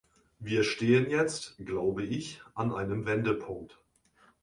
Wir stehen jetzt, glaube ich, an einem Wendepunkt.